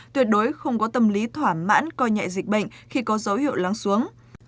tuyệt đối không có tâm lý thoả mãn coi nhạy dịch bệnh khi có dấu hiệu lắng xuống